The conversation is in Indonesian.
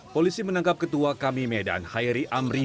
polisi menangkap ketua kami medan hairi amri